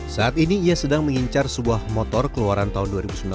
saat ini ia sedang mengincar sebuah motor keluaran tahun dua ribu sembilan belas